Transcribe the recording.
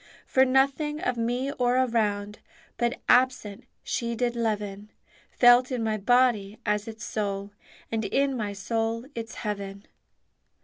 For nothing of me or around But absent She did leaven, Felt in my body as its soul, And in my soul its heaven.